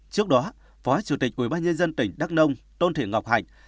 trước đó phó chủ tịch ubnd tỉnh đắk nông tôn thị ngọc hạnh